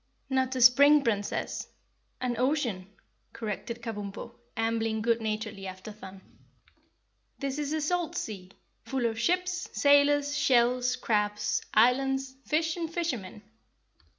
"Not a spring, Princess, an ocean," corrected Kabumpo, ambling good naturedly after Thun. "This is a salt salt sea, full of ships, sailors, shells, crabs, islands, fish and fishermen."